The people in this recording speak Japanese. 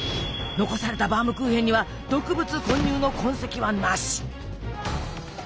残されたバームクーヘンには毒物混入の痕跡はなし！